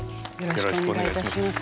よろしくお願いします。